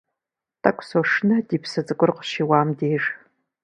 Тӏэкӏу сошынэ ди псы цӏыкӏур къыщиуам деж.